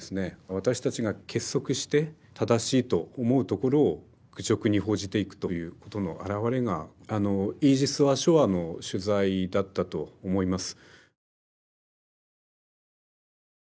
私たちが結束して正しいと思うところを愚直に報じていくということのあらわれがイージス・アショアの取材だったと思います。